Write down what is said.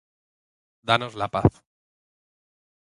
danos la paz.